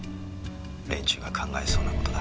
連中が考えそうな事だ。